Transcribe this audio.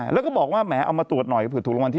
แล้วก็บอกว่าแหมเอามาตรวจหน่อยเผื่อถูกรางวัลที่๑